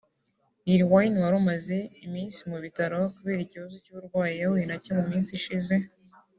Lil Wayne wari umaze iminsi mu bitaro kubera ikibazo cy’uburwayi yahuye nacyo mu minsi ishize